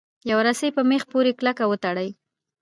یوه رسۍ په میخ پورې کلکه وتړئ.